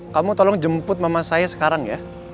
kamu tolong jemput mama saya sekarang ya